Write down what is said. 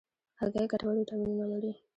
هګۍ ګټور ویټامینونه لري.